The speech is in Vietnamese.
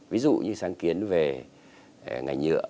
ví dụ như sáng kiến về ngành nhựa